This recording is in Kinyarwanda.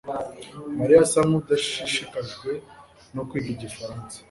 mariya asa nkudashishikajwe no kwiga igifaransa